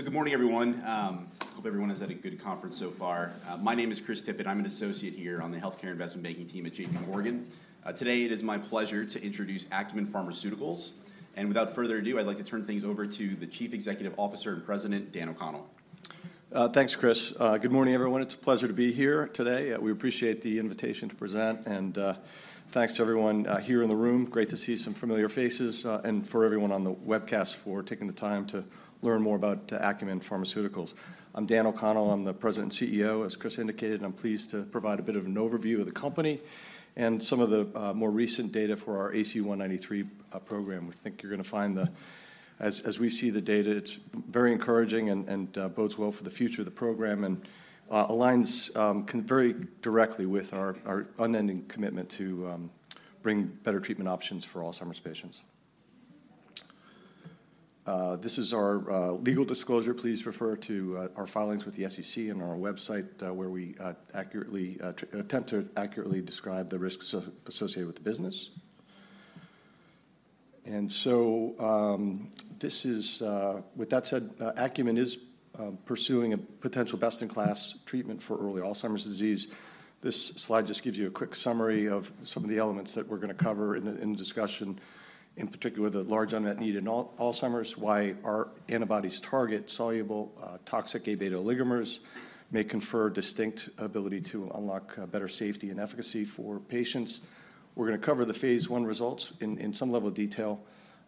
Good morning, everyone. Hope everyone has had a good conference so far. My name is Chris Tippett. I'm an associate here on the healthcare investment banking team at J.P. Morgan. Today, it is my pleasure to introduce Acumen Pharmaceuticals, and without further ado, I'd like to turn things over to the Chief Executive Officer and President, Dan O'Connell. Thanks, Chris. Good morning, everyone. It's a pleasure to be here today. We appreciate the invitation to present, and thanks to everyone here in the room, great to see some familiar faces, and for everyone on the webcast for taking the time to learn more about Acumen Pharmaceuticals. I'm Dan O'Connell. I'm the President and CEO, as Chris indicated, and I'm pleased to provide a bit of an overview of the company and some of the more recent data for our ACU193 program. We think you're gonna find the—as we see the data, it's very encouraging and bodes well for the future of the program and aligns very directly with our unending commitment to bring better treatment options for Alzheimer's patients. This is our legal disclosure. Please refer to our filings with the SEC and our website, where we attempt to accurately describe the risks associated with the business. With that said, Acumen is pursuing a potential best-in-class treatment for early Alzheimer's disease. This slide just gives you a quick summary of some of the elements that we're gonna cover in the discussion, in particular, the large unmet need in Alzheimer's, why our antibodies target soluble toxic Aβ oligomers may confer distinct ability to unlock better safety and efficacy for patients. We're gonna cover the phase I results in some level of detail.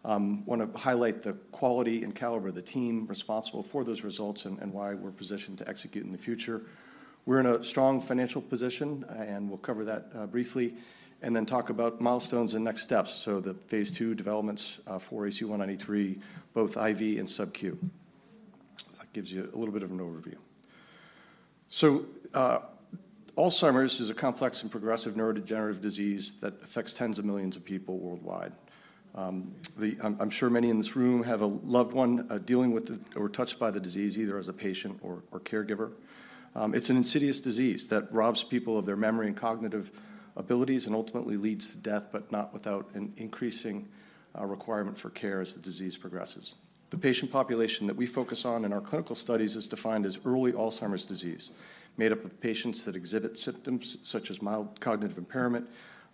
Wanna highlight the quality and caliber of the team responsible for those results and why we're positioned to execute in the future. We're in a strong financial position, and we'll cover that briefly, and then talk about milestones and next steps, so the phase II developments for ACU193, both IV and subQ. That gives you a little bit of an overview. So, Alzheimer's is a complex and progressive neurodegenerative disease that affects tens of millions of people worldwide. I'm sure many in this room have a loved one dealing with the disease or touched by the disease, either as a patient or caregiver. It's an insidious disease that robs people of their memory and cognitive abilities and ultimately leads to death, but not without an increasing requirement for care as the disease progresses. The patient population that we focus on in our clinical studies is defined as early Alzheimer's disease, made up of patients that exhibit symptoms such as mild cognitive impairment,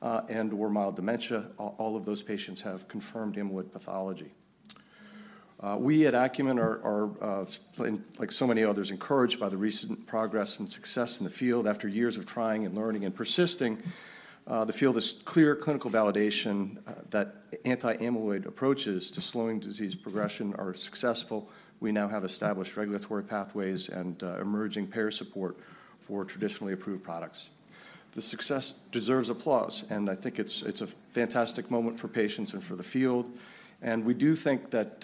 and/or mild dementia. All of those patients have confirmed amyloid pathology. We at Acumen are like so many others, encouraged by the recent progress and success in the field after years of trying and learning and persisting. The field is clear clinical validation that anti-amyloid approaches to slowing disease progression are successful. We now have established regulatory pathways and, emerging payer support for traditionally approved products. The success deserves applause, and I think it's a fantastic moment for patients and for the field, and we do think that,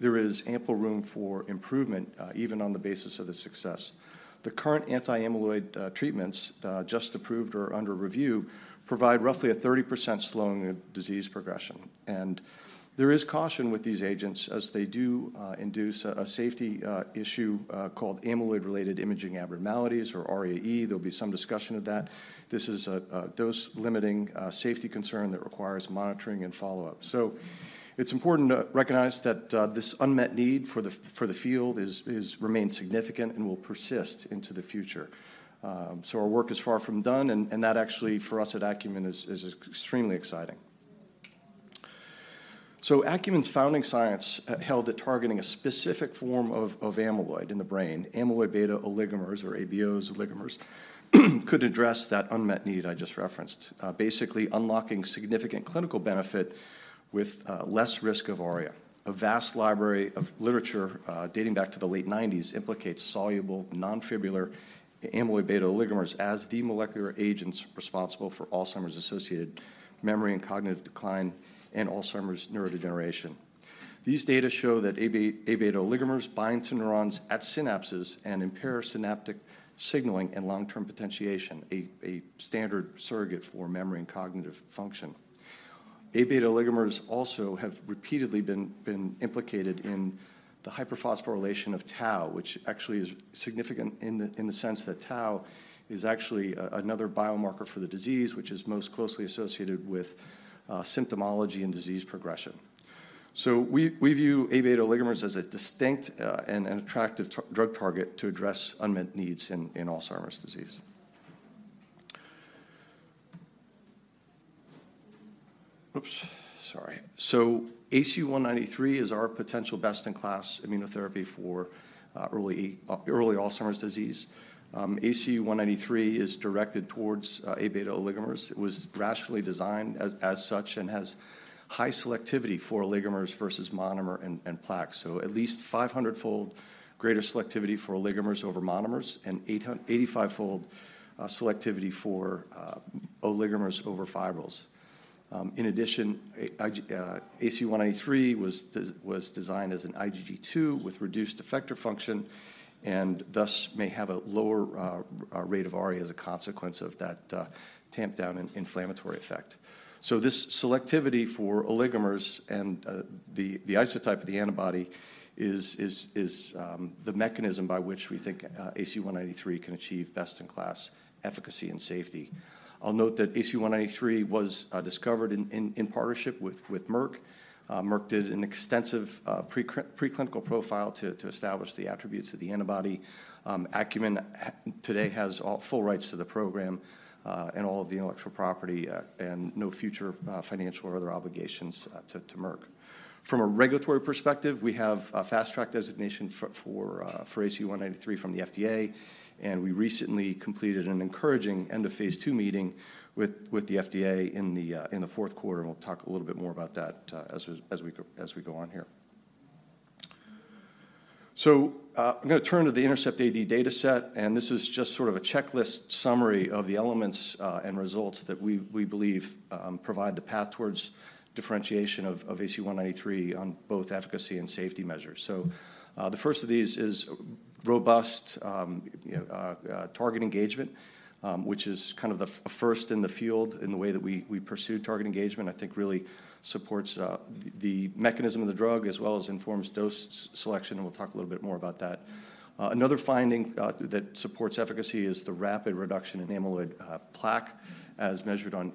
there is ample room for improvement, even on the basis of this success. The current anti-amyloid treatments just approved or under review provide roughly a 30% slowing of disease progression, and there is caution with these agents, as they do induce a safety issue called amyloid-related imaging abnormalities or ARIA-E. There'll be some discussion of that. This is a dose-limiting safety concern that requires monitoring and follow-up. So it's important to recognize that this unmet need for the field remains significant and will persist into the future. So our work is far from done, and that actually, for us at Acumen, is extremely exciting. Acumen's founding science held that targeting a specific form of amyloid in the brain, amyloid-beta oligomers, or AβOs, could address that unmet need I just referenced, basically unlocking significant clinical benefit with less risk of ARIA. A vast library of literature dating back to the late nineties implicates soluble, non-fibrillar amyloid-beta oligomers as the molecular agents responsible for Alzheimer's-associated memory and cognitive decline in Alzheimer's neurodegeneration. These data show that Aβ oligomers bind to neurons at synapses and impair synaptic signaling and long-term potentiation, a standard surrogate for memory and cognitive function. Aβ oligomers also have repeatedly been implicated in the hyperphosphorylation of tau, which actually is significant in the sense that tau is actually another biomarker for the disease, which is most closely associated with symptomology and disease progression. We view Aβ oligomers as a distinct and attractive drug target to address unmet needs in Alzheimer's disease. Oops, sorry. So ACU193 is our potential best-in-class immunotherapy for early Alzheimer's disease. ACU193 is directed towards Aβ oligomers. It was rationally designed as such and has high selectivity for oligomers versus monomer and plaques, so at least 500-fold greater selectivity for oligomers over monomers and 85-fold selectivity for oligomers over fibrils. In addition, ACU193 was designed as an IgG2 with reduced effector function and thus may have a lower rate of ARIA as a consequence of that tamp down in inflammatory effect. This selectivity for oligomers and the isotype of the antibody is the mechanism by which we think ACU193 can achieve best-in-class efficacy and safety. I'll note that ACU193 was discovered in partnership with Merck. Merck did an extensive preclinical profile to establish the attributes of the antibody. Acumen today has full rights to the program and all of the intellectual property and no future financial or other obligations to Merck. From a regulatory perspective, we have a Fast Track designation for ACU193 from the FDA, and we recently completed an encouraging end-of-phase II meeting with the FDA in the fourth quarter, and we'll talk a little bit more about that as we go on here. So, I'm gonna turn to the INTERCEPT-AD dataset, and this is just sort of a checklist summary of the elements and results that we believe provide the path towards differentiation of ACU193 on both efficacy and safety measures. So, the first of these is robust target engagement, you know, which is kind of a first in the field in the way that we pursue target engagement. I think really supports the mechanism of the drug, as well as informs dose selection, and we'll talk a little bit more about that. Another finding that supports efficacy is the rapid reduction in amyloid plaque, as measured on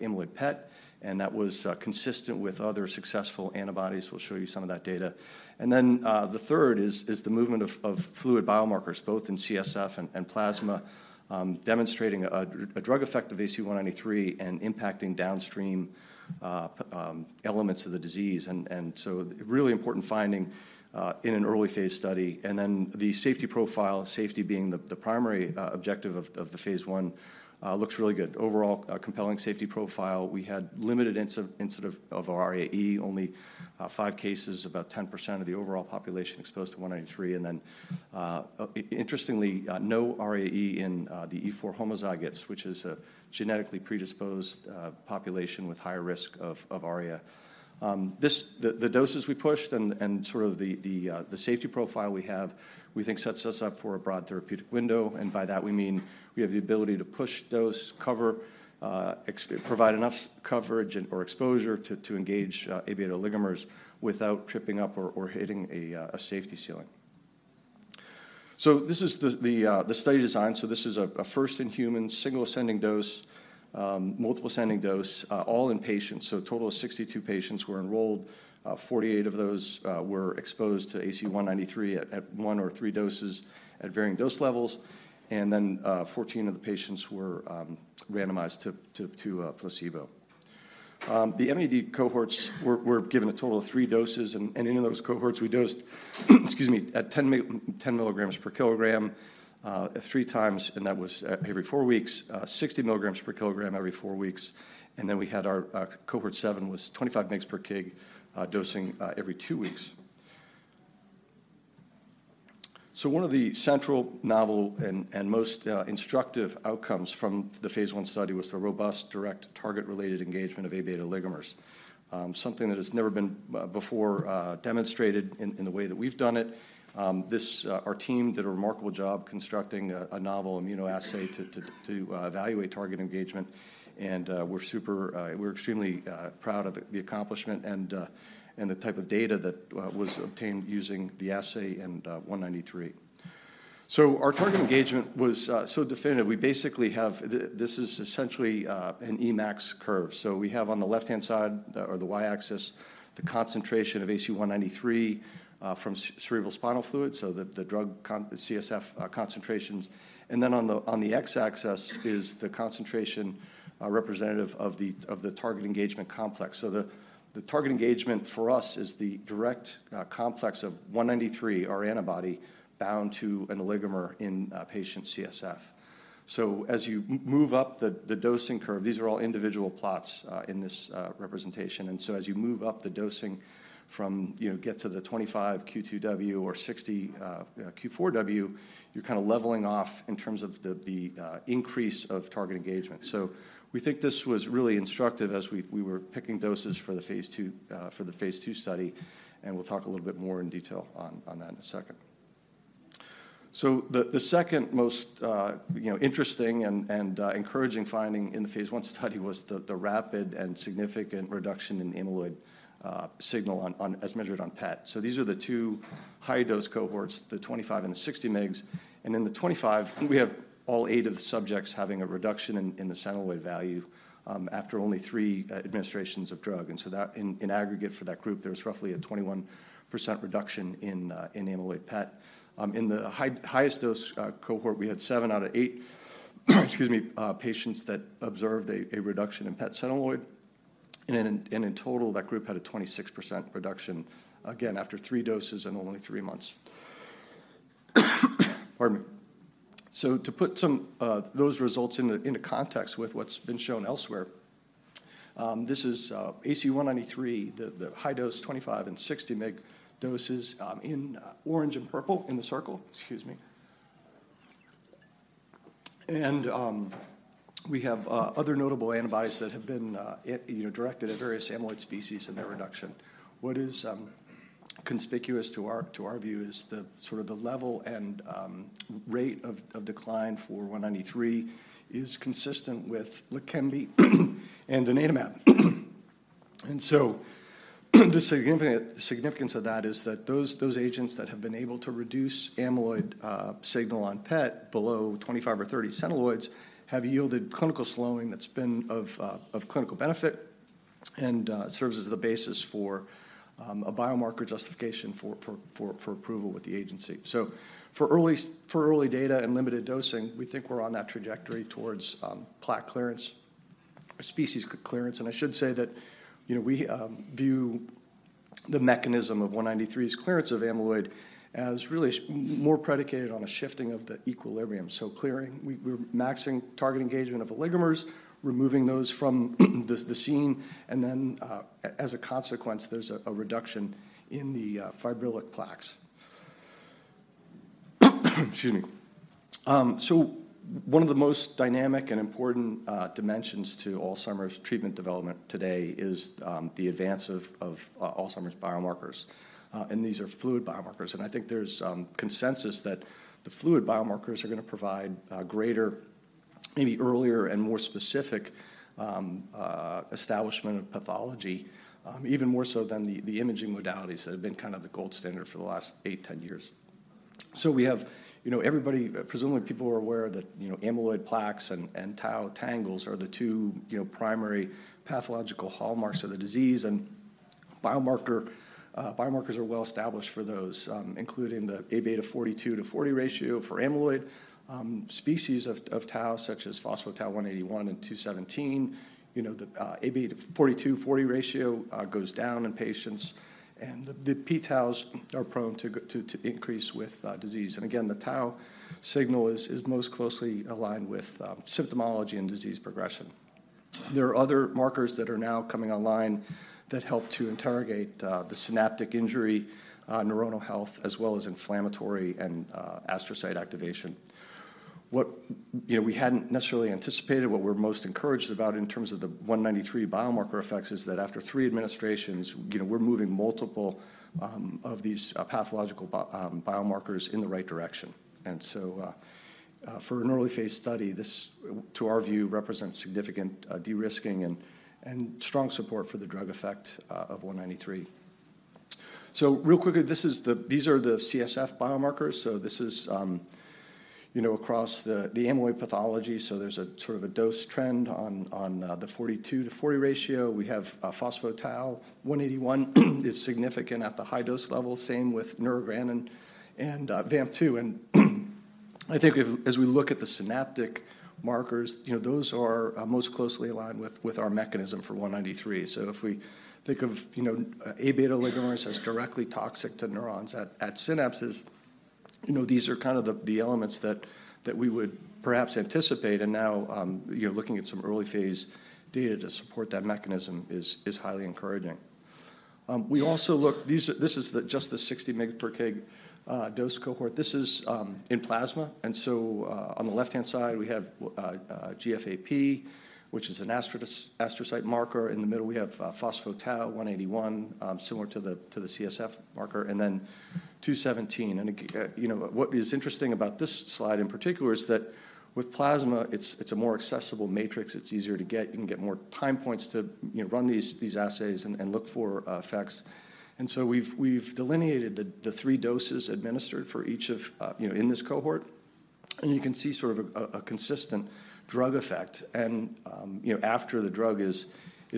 amyloid PET, and that was consistent with other successful antibodies. We'll show you some of that data. And then the third is the movement of fluid biomarkers, both in CSF and plasma, demonstrating a drug effect of ACU193 and impacting downstream elements of the disease, and so a really important finding in an early phase study. And then the safety profile, safety being the primary objective of the phase I, looks really good. Overall, a compelling safety profile. We had limited incident of ARIA-E, only five cases, about 10% of the overall population exposed to ACU193, and then interestingly, no ARIA-E in the E4 homozygotes, which is a genetically predisposed population with higher risk of ARIA. The safety profile we have, we think sets us up for a broad therapeutic window, and by that we mean we have the ability to push dose cover, provide enough coverage and/or exposure to engage Aβ oligomers without tripping up or hitting a safety ceiling. So this is the study design. So this is a first-in-human, single ascending dose, multiple ascending dose, all in patients. So a total of 62 patients were enrolled. 48 of those were exposed to ACU193 at one or three doses at varying dose levels, and then 14 of the patients were randomized to placebo. The MAD cohorts were given a total of three doses, and in any of those cohorts, we dosed, excuse me, at 10 milligrams per kilogram 3x, and that was every four weeks, 60 milligrams per kilogram every four weeks. Then we had our cohort seven was 25 mg/kg dosing every two weeks. So one of the central, novel, and most instructive outcomes from the phase I study was the robust, direct target-related engagement of Aβ oligomers, something that has never been before demonstrated in the way that we've done it. Our team did a remarkable job constructing a novel immunoassay to evaluate target engagement, and we're extremely proud of the accomplishment and the type of data that was obtained using the assay and ACU193. So our target engagement was so definitive. We basically have. This is essentially an Emax curve. So we have on the left-hand side or the y-axis, the concentration of ACU193 from cerebrospinal fluid, so the drug, the CSF concentrations. And then on the x-axis is the concentration representative of the target engagement complex. So the target engagement for us is the direct complex of ACU193, our antibody, bound to an oligomer in patient CSF. As you move up the dosing curve, these are all individual plots in this representation. So as you move up the dosing from, you know, get to the 25 Q2W or 60 Q4W, you're kind of leveling off in terms of the increase of target engagement. So we think this was really instructive as we were picking doses for the phase II study, and we'll talk a little bit more in detail on that in a second. So the second most interesting and encouraging finding in the phase I study was the rapid and significant reduction in amyloid signal on, as measured on PET. So these are the two high dose cohorts, the 25 and the 60 mg. In the 25, we have all eight of the subjects having a reduction in the centiloid value after only three administrations of drug. And so that, in aggregate for that group, there was roughly a 21% reduction in amyloid PET. In the highest dose cohort, we had seven out of eight patients that observed a reduction in PET centiloid. And in total, that group had a 26% reduction, again, after three doses in only three months. So to put some of those results into context with what's been shown elsewhere, this is ACU193, the high dose, 25 and 60 mg doses, in orange and purple in the circle. We have other notable antibodies that have been, you know, directed at various amyloid species and their reduction. What is conspicuous to our view is that sort of the level and rate of decline for ACU193 is consistent with Leqembi and donanemab. So, the significance of that is that those agents that have been able to reduce amyloid signal on PET below 25 or 30 centiloids have yielded clinical slowing that's been of clinical benefit and serves as the basis for a biomarker justification for approval with the agency. So for early data and limited dosing, we think we're on that trajectory towards plaque clearance, species clearance. And I should say that, you know, we view the mechanism of ACU193's clearance of amyloid as really more predicated on a shifting of the equilibrium. So clearing, we're maxing target engagement of oligomers, removing those from the scene, and then, as a consequence, there's a reduction in the fibrillar plaques. Excuse me. So one of the most dynamic and important dimensions to Alzheimer's treatment development today is the advance of Alzheimer's biomarkers. And these are fluid biomarkers, and I think there's consensus that the fluid biomarkers are gonna provide greater, maybe earlier and more specific establishment of pathology, even more so than the imaging modalities that have been kind of the gold standard for the last eight to 10 years. So we have... You know, everybody, presumably, people are aware that, you know, amyloid plaques and tau tangles are the two, you know, primary pathological hallmarks of the disease, and biomarkers are well-established for those, including the Aβ42/40 ratio for amyloid, species of tau, such as phospho-tau 181 and 217. You know, the Aβ42/40 ratio goes down in patients, and the p-taus are prone to increase with disease. And again, the tau signal is most closely aligned with symptomatology and disease progression. There are other markers that are now coming online that help to interrogate the synaptic injury, neuronal health, as well as inflammatory and astrocyte activation. What you know, we hadn't necessarily anticipated, what we're most encouraged about in terms of the 193 biomarker effects, is that after three administrations, you know, we're moving multiple of these pathological biomarkers in the right direction. And so, for an early-phase study, this, to our view, represents significant de-risking and strong support for the drug effect of 193. So real quickly, these are the CSF biomarkers. So this is, you know, across the amyloid pathology. So there's a sort of a dose trend on the 42/40 ratio. We have phospho-tau 181 is significant at the high dose level, same with neurogranin and VAMP2. I think if, as we look at the synaptic markers, you know, those are most closely aligned with our mechanism for 193. So if we think of, you know, Aβ oligomers as directly toxic to neurons at synapses, you know, these are kind of the elements that we would perhaps anticipate. And now, you know, looking at some early phase data to support that mechanism is highly encouraging. These are, this is just the 60 mg/kg dose cohort. This is in plasma, and so, on the left-hand side, we have GFAP, which is an astrocyte marker. In the middle, we have phospho-tau 181, similar to the CSF marker, and then 217. You know, what is interesting about this slide in particular is that with plasma, it's a more accessible matrix. It's easier to get. You can get more time points to, you know, run these assays and look for effects. And so we've delineated the three doses administered for each of, you know, in this cohort, and you can see sort of a consistent drug effect. And, you know, after the drug is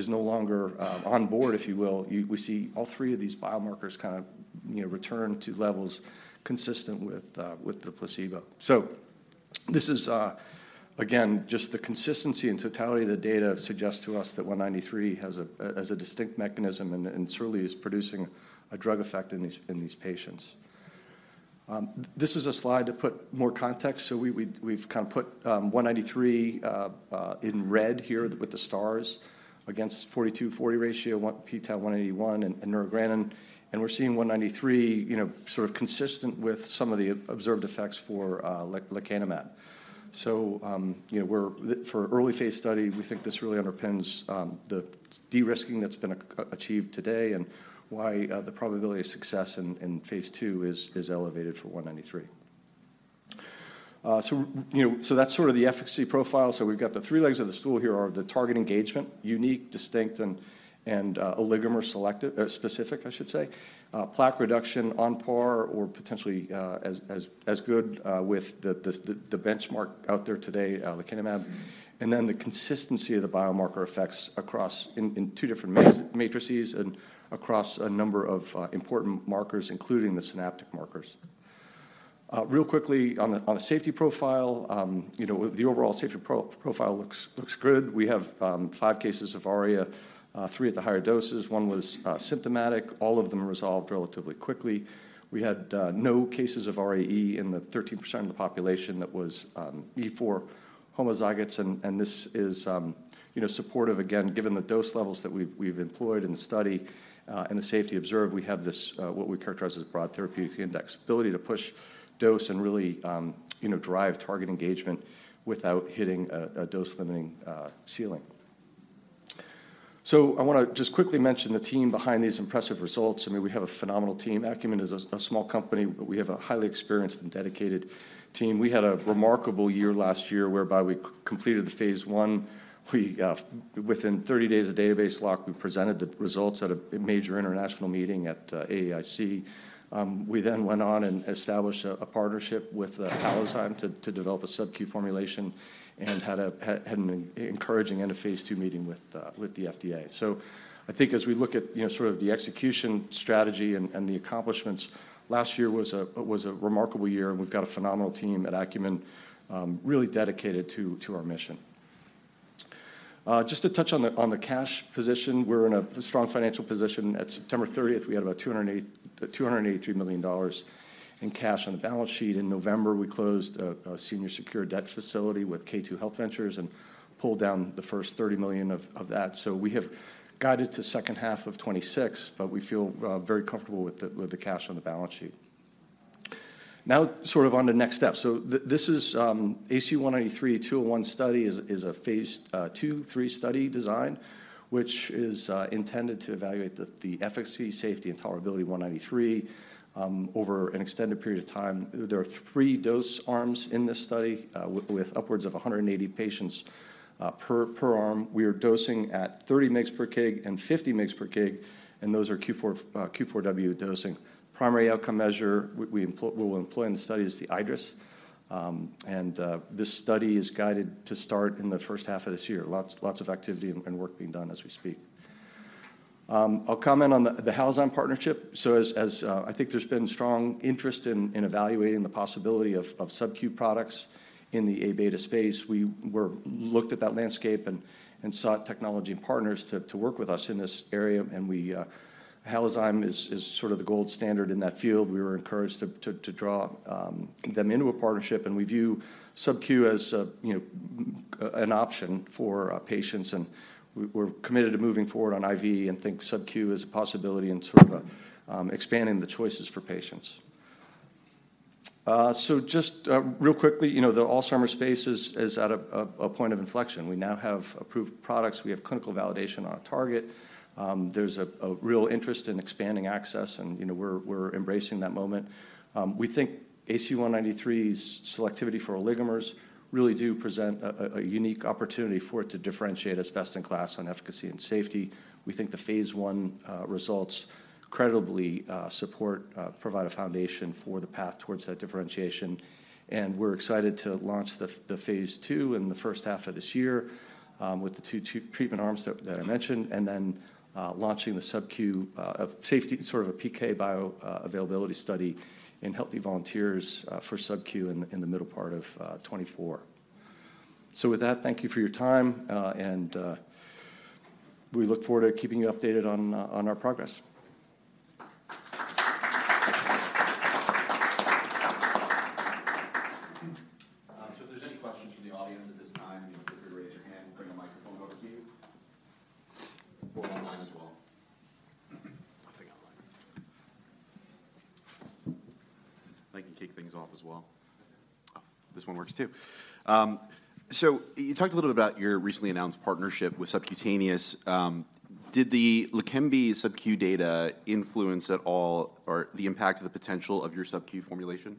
no longer on board, if you will, we see all three of these biomarkers kind of, you know, return to levels consistent with the placebo. This is, again, just the consistency and totality of the data suggests to us that ACU193 has a, has a distinct mechanism and, and surely is producing a drug effect in these, in these patients. This is a slide to put more context. So we, we've kind of put, ACU193, in red here with the stars against Aβ42/40 ratio, p-tau181 and, and neurogranin. And we're seeing ACU193, you know, sort of consistent with some of the observed effects for lecanemab. So, you know, for early phase study, we think this really underpins, the de-risking that's been achieved today and why, the probability of success in, phase 2 is, elevated for ACU193. So, you know, so that's sort of the efficacy profile. So we've got the three legs of the stool here are the target engagement, unique, distinct, oligomer selected, specific, I should say. Plaque reduction on par or potentially as good with the benchmark out there today, lecanemab. And then the consistency of the biomarker effects across two different matrices and across a number of important markers, including the synaptic markers. Real quickly on a safety profile, you know, well, the overall safety profile looks good. We have five cases of ARIA, three at the higher doses. One was symptomatic. All of them resolved relatively quickly. We had no cases of ARIA in the 13% of the population that was E4 homozygotes, and this is, you know, supportive again, given the dose levels that we've employed in the study and the safety observed. We have this what we characterize as broad therapeutic index, ability to push dose and really, you know, drive target engagement without hitting a dose-limiting ceiling. So I wanna just quickly mention the team behind these impressive results. I mean, we have a phenomenal team. Acumen is a small company, but we have a highly experienced and dedicated team. We had a remarkable year last year, whereby we completed the phase I. We within 30 days of database lock, we presented the results at a major international meeting at AAIC. We then went on and established a partnership with Halozyme to develop a subQ formulation and had an encouraging end of phase II meeting with the FDA. So I think as we look at, you know, sort of the execution strategy and the accomplishments, last year was a remarkable year, and we've got a phenomenal team at Acumen, really dedicated to our mission. Just to touch on the cash position, we're in a strong financial position. At September 30, we had about $283 million in cash on the balance sheet. In November, we closed a senior secured debt facility with K2 Health Ventures and pulled down the first $30 million of that. We have guided to second half of 2026, but we feel very comfortable with the cash on the balance sheet. Now, sort of on to next steps. So this is the ACU193-201 study, which is a phase II/III study design, intended to evaluate the efficacy, safety, and tolerability of ACU193 over an extended period of time. There are three dose arms in this study with upwards of 180 patients per arm. We are dosing at 30 mg/kg and 50 mg/kg, and those are Q4W dosing. Primary outcome measure we will employ in the study is the iADRS. And this study is guided to start in the first half of this year. Lots, lots of activity and work being done as we speak. I'll comment on the Halozyme partnership. So as I think there's been strong interest in evaluating the possibility of subQ products in the A-beta space. We looked at that landscape and sought technology and partners to work with us in this area, and we Halozyme is sort of the gold standard in that field. We were encouraged to draw them into a partnership, and we view subQ as, you know, an option for patients, and we're committed to moving forward on IV and think subQ is a possibility and sort of expanding the choices for patients. So just real quickly, you know, the Alzheimer's space is at a point of inflection. We now have approved products. We have clinical validation on our target. There's a real interest in expanding access, and, you know, we're embracing that moment. We think ACU193's selectivity for oligomers really do present a unique opportunity for it to differentiate as best in class on efficacy and safety. We think the phase I results credibly support provide a foundation for the path towards that differentiation. And we're excited to launch the phase II in the first half of this year, with the two treatment arms that I mentioned, and then launching the subQ of safety, sort of a PK bioavailability study in healthy volunteers, for subQ in the middle part of 2024. With that, thank you for your time, and we look forward to keeping you updated on our progress. So if there's any questions from the audience at this time, feel free to raise your hand. We'll bring a microphone over to you. Or online as well. I forgot online. I can kick things off as well. Oh, this one works too. So you talked a little bit about your recently announced partnership with Halozyme. Did the Leqembi subQ data influence at all or the impact of the potential of your subQ formulation?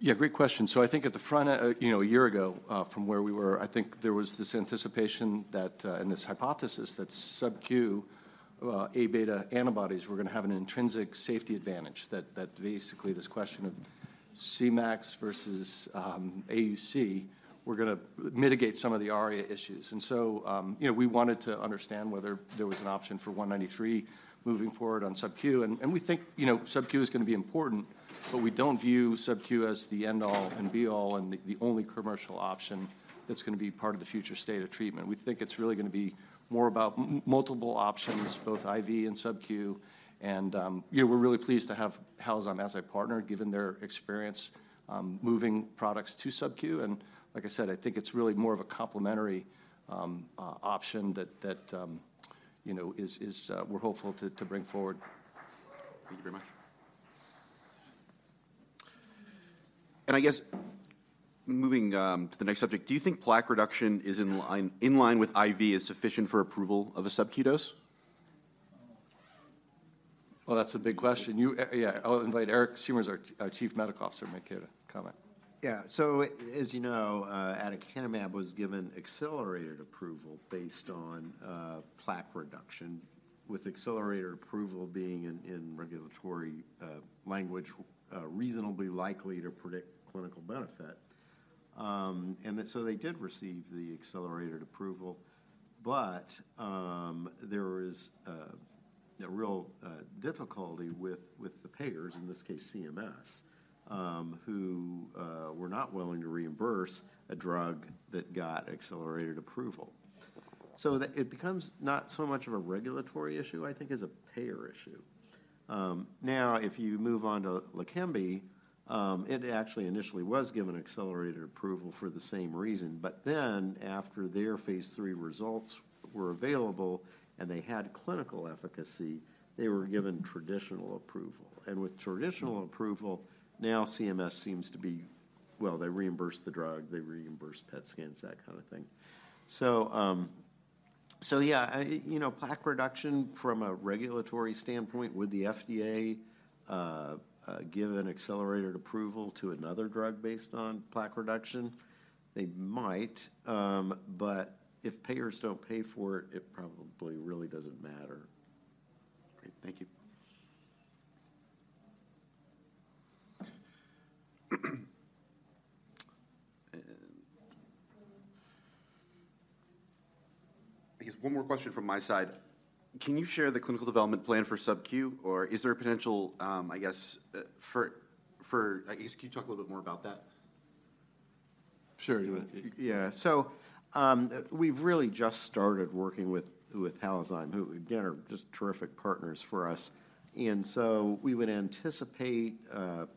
Yeah, great question. So I think at the front end, you know, a year ago, from where we were, I think there was this anticipation that, and this hypothesis that subQ, Aβ antibodies were gonna have an intrinsic safety advantage, that basically this question of Cmax versus AUC were gonna mitigate some of the ARIA issues. And so, you know, we wanted to understand whether there was an option for 193 moving forward on subQ. And we think, you know, subQ is gonna be important, but we don't view subQ as the end-all and be-all and the only commercial option that's gonna be part of the future state of treatment. We think it's really gonna be more about multiple options, both IV and subQ. Yeah, we're really pleased to have Halozyme as our partner, given their experience moving products to subQ. Like I said, I think it's really more of a complementary option that you know is we're hopeful to bring forward. Thank you very much. I guess, moving to the next subject, do you think plaque reduction is in line, in line with IV is sufficient for approval of a subQ dose? Well, that's a big question. You, yeah, I'll invite Eric Siemers, our Chief Medical Officer, to make a comment. Yeah. So as you know, aducanumab was given accelerated approval based on plaque reduction, with accelerated approval being in regulatory language reasonably likely to predict clinical benefit. And then so they did receive the accelerated approval, but there was a real difficulty with the payers, in this case, CMS, who were not willing to reimburse a drug that got accelerated approval. So it becomes not so much of a regulatory issue, I think, as a payer issue. Now, if you move on to Leqembi, it actually initially was given accelerated approval for the same reason. But then, after their phase III results were available and they had clinical efficacy, they were given traditional approval. And with traditional approval, now CMS seems to be... Well, they reimburse the drug, they reimburse PET scans, that kind of thing. So, you know, plaque reduction from a regulatory standpoint, would the FDA give an accelerated approval to another drug based on plaque reduction? They might, but if payers don't pay for it, it probably really doesn't matter. Great. Thank you. I guess one more question from my side. Can you share the clinical development plan for subQ, or is there a potential, I guess, for. I guess, can you talk a little bit more about that? Sure. You wanna take it? Yeah. So, we've really just started working with Halozyme, who again, are just terrific partners for us. And so we would anticipate,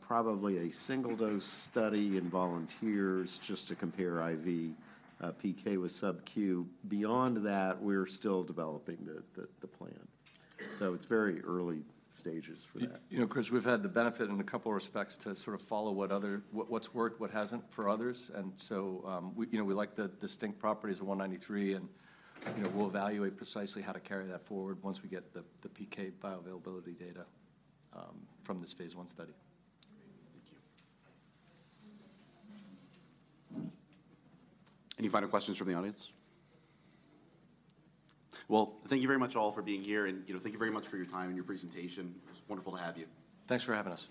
probably a single-dose study in volunteers just to compare IV, PK with subQ. Beyond that, we're still developing the plan. So it's very early stages for that. You know, Chris, we've had the benefit in a couple of respects to sort of follow what others... what's worked, what hasn't for others. And so, we, you know, we like the distinct properties of 193, and, you know, we'll evaluate precisely how to carry that forward once we get the PK bioavailability data from this phase I study. Thank you. Any final questions from the audience? Well, thank you very much all for being here, and, you know, thank you very much for your time and your presentation. It was wonderful to have you. Thanks for having us.